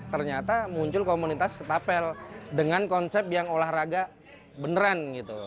ternyata muncul komunitas ketapel dengan konsep yang olahraga beneran gitu